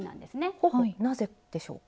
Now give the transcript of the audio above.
なぜでしょうか？